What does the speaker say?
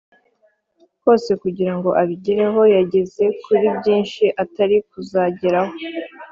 kose kugira ngo abigereho. Yageze kuri byinshi atari kuzageraho ku